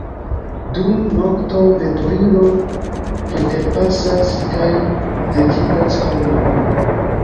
Dum nokto veturilo preterpasas kaj vekigas homojn.